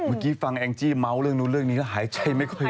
เมื่อกี้ฟังแองจี้เมาส์เรื่องนู้นเรื่องนี้ก็หายใจไม่ค่อย